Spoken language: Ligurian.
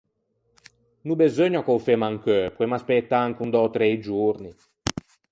No beseugna ch’ô femmo ancheu, poemmo aspëtâ ancon dötrei giorni.